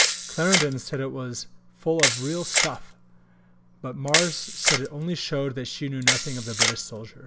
Clarendon said it was full of real stuff, but Mars said it only showed that she knew nothing of the British soldier.